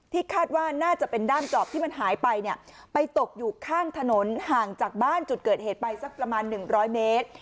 คาดว่าน่าจะเป็นด้ามจอบที่มันหายไปเนี่ยไปตกอยู่ข้างถนนห่างจากบ้านจุดเกิดเหตุไปสักประมาณ๑๐๐เมตร